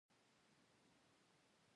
• بښل تل د سوکاله ژوند لپاره اړین دي.